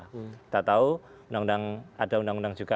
kita tahu ada undang undang juga